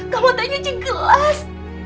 kamu tuh nyuci gelas